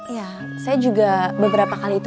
ya saya juga beberapa kali itu